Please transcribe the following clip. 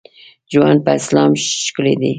ژوند په اسلام ښکلی دی.